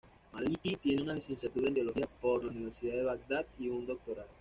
Maliki tiene una licenciatura en Teología por la Universidad de Bagdad y un doctorado.